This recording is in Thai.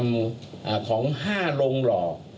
ก็มีการทำของ๕ลงหล่อ